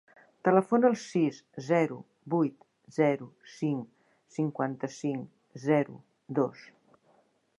Telefona al sis, zero, vuit, zero, cinc, cinquanta-cinc, zero, dos.